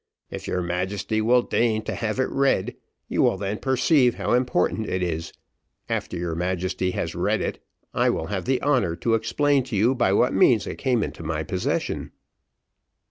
If your Majesty will deign to have it read, you will then perceive how important it is after your Majesty has read it, I will have the honour to explain to you by what means it came into my possession."